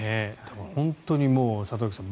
本当に里崎さん